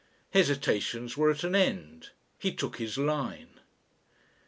Hesitations were at an end; he took his line.